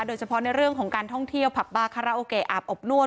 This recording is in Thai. โดยเฉพาะในเรื่องของการท่องเที่ยวผับบาคาราโอเกะอาบอบนวด